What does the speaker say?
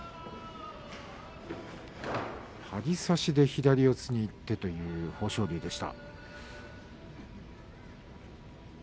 張り差しで左四つにいってという豊昇龍でした。